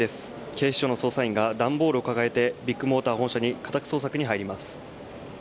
警視庁の捜査員が段ボールを抱えてビッグモーター本社に家宅捜索に入ります。